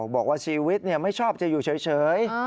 บอกว่าชีวิตไม่ชอบจะอยู่เฉย